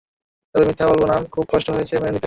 তবে মিথ্যা বলব না, খুব কষ্ট হয়েছে মেনে নিতে!